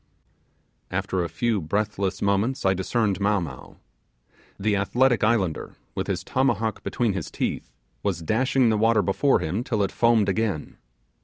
After a few breathless moments discerned Mow Mow. The athletic islander, with his tomahawk between his teeth, was dashing the water before him till it foamed again.